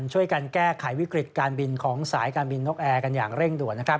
ช่วยกันแก้ไขวิกฤตการบินของสายการบินนกแอร์กันอย่างเร่งด่วน